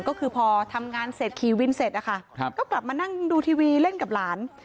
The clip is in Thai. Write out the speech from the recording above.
ก็คือพอทำงานเสร็จขี่วินเสร็จนะคะก็กลับมานั่งดูทีวีเล่นกับหลาน